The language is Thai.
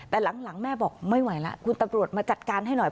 แต่หลังแม่บอกไม่ไหวแล้วคุณตำรวจมาจัดการให้หน่อย